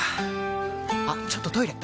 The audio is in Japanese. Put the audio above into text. あっちょっとトイレ！